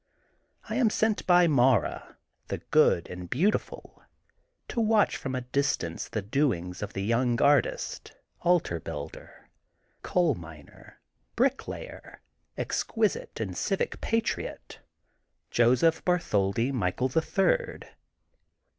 I am sent by Mara, the good and beautiful, to watch from a distance the doings of the young artist, altar builder, coal miner, bricklayer, exqui site and civic patriot :— Joseph Bartholdi Mi chael, the Third.